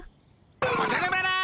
おじゃる丸。